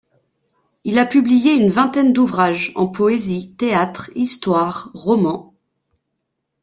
Il a publié une vingtaine d’ouvrages, en poésie, théâtre, histoire, roman.